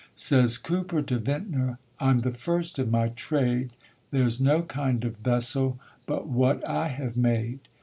Says Cooper to Vintner, "I'm the first of my trade; There's no kind of vessel but what I have made.